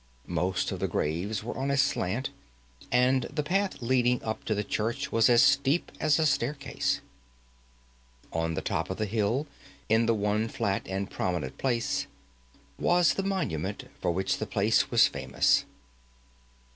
Most of the graves were on a slant, and the path leading up to the church was as steep as a staircase. On the top of the hill, in the one flat and prominent place, was the monument for which the place was famous.